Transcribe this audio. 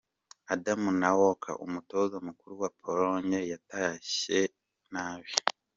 Adam Nawalka umutoza mukuru wa Pologne yatashye nabi.